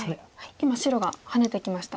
今白がハネてきました。